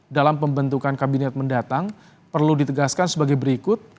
dalam pembentukan kabinet mendatang perlu ditegaskan sebagai berikut